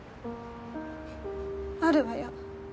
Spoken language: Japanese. あるわよ